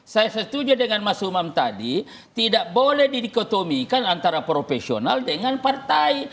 saya setuju dengan mas umam tadi tidak boleh didikotomikan antara profesional dengan partai